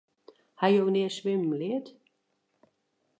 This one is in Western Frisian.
Ha jo nea swimmen leard?